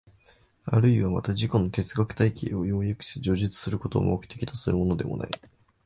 あるいはまた自己の哲学体系を要約して叙述することを目的とするものでもない。